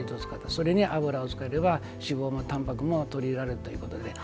それに油を使えば脂肪もたんぱくも取り入れられるということで。